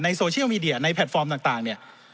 โซเชียลมีเดียในแพลตฟอร์มต่างเนี่ย